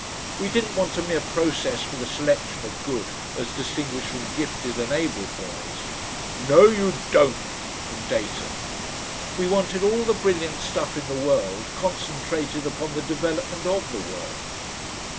We didn't want a mere process for the selection of good as distinguished from gifted and able boys "No, you DON'T," from Dayton we wanted all the brilliant stuff in the world concentrated upon the development of the world.